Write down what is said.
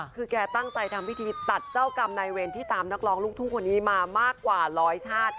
คือแกตั้งใจทำพิธีตัดเจ้ากรรมนายเวรที่ตามนักร้องลูกทุ่งคนนี้มามากกว่าร้อยชาติค่ะ